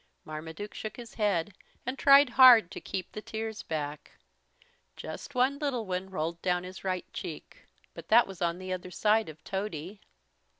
Marmaduke shook his head and tried hard to keep the tears back. Just one little one rolled down his right cheek But that was on the other side of Tody.